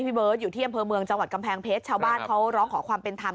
เบิร์ตอยู่ที่อำเภอเมืองจังหวัดกำแพงเพชรชาวบ้านเขาร้องขอความเป็นธรรม